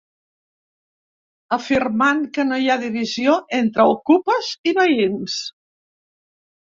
Afirmant que no hi ha ‘divisió entre ocupes i veïns’.